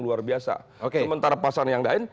luar biasa sementara pasangan yang lain